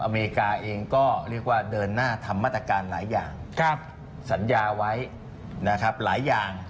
อเมริกาเองก็เรียกว่าเดินหน้าทำมาตรการหลายอย่างสัญญาไว้นะครับหลายอย่าง